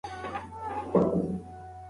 که ویډیو وي نو موضوع نه پاتې کیږي.